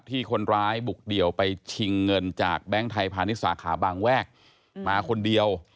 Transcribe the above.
ที่คนร้ายบุกเดี่ยวไปชิงเงินจากแบงค์ไทยพาณิชย์สาขาบางแวกมาคนเดียว